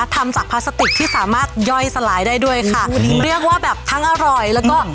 ทำจากพลาสติกที่สามารถย่อยสลายได้ด้วยค่ะเรียกว่าแบบทั้งอร่อยแล้วก็